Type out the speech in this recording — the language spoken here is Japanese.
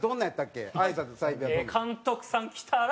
監督さん来たら。